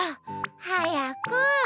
はやく。